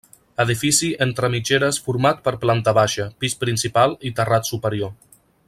Edifici entre mitgeres format per planta baixa, pis principal i terrat superior.